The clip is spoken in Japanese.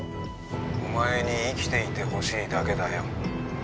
☎お前に生きていてほしいだけだよ